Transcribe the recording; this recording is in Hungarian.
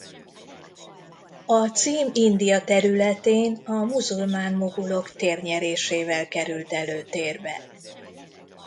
A cím India területén a muzulmán mogulok térnyerésével került előtérbe.